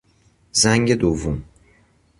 زنگ دوم